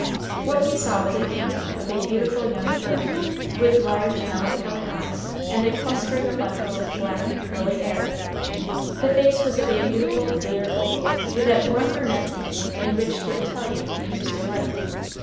What he saw was a painting of a beautiful young girl, with large melancholy eyes, and a clustering abundance of black, curly hair. The face was of a beautiful, clear oval, with that warm brunette tint in which the Italian painters delight.